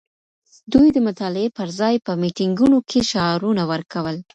دوی د مطالعې پر ځای په میټینګونو کي شعارونه ورکول.